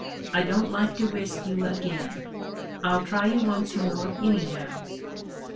I don't like to risk you again. I'll try you once more, anyhow."